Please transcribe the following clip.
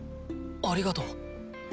ありがとう。